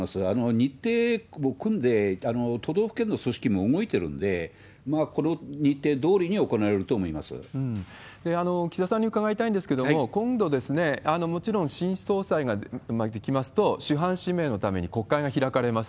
日程、もう組んで、都道府県の組織も動いてるんで、この日程どお岸田さんに伺いたいんですけれども、今度、もちろん新総裁ができますと、しゅはん指名のために国会が開かれます。